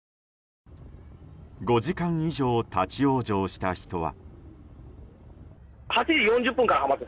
５時間以上立ち往生した人は。